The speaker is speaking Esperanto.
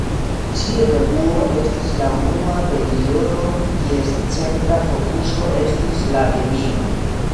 Ĉi-revuo estis la unua periodo kies centra fokuso estis la kemio.